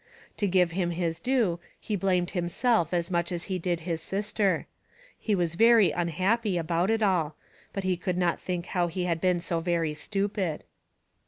To give him his due, he blamed himself as much as he did his sister; he was very unhappy about it all, but he could not think how he had been so very stupid.